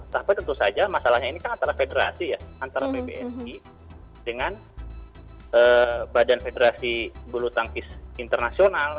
tapi tentu saja masalahnya ini kan antara federasi ya antara pbsi dengan badan federasi bulu tangkis internasional